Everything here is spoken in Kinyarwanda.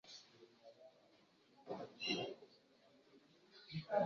Nyamuneka hagarara wowe ufite ingeso zitwereka